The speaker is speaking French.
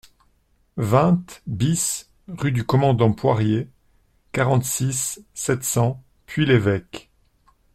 vingt BIS rue du Commandant Poirier, quarante-six, sept cents, Puy-l'Évêque